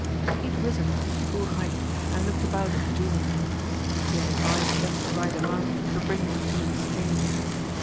He had risen to his full height and looked about him genially. He had imbibed just the right amount to bring him to this stage.